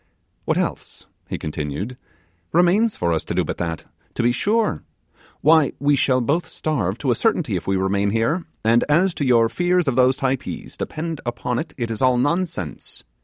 'What else,' he continued, 'remains for us to do but that, to be sure? Why, we shall both starve to a certainty if we remain here; and as to your fears of those Typees depend upon it, it is all nonsense.